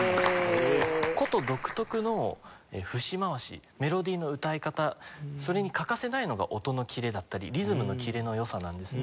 箏独特の節回しメロディーの歌い方それに欠かせないのが音のキレだったりリズムのキレの良さなんですね。